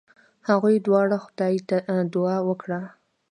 هغوی دواړو خدای ته دعا وکړه.